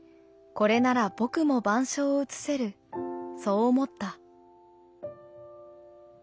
『これなら僕も板書を写せる』そう思った」。